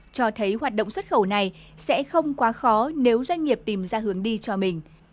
cho thấy hoạt động xuất khẩu này sẽ không quá khó nếu doanh nghiệp tìm ra hướng đi cho mình